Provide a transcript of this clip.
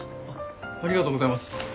ありがとうございます。